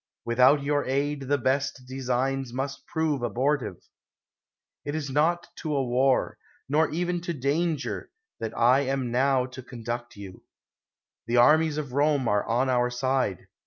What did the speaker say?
Without your aid the best designs must prove abortive. It is not to a war, nor even to danger, that I am now to conduct you; the armies of Eome are on our side.